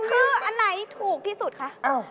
คืออันไหนถูกที่สุดคะ